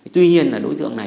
tuy nhiên là đối tượng này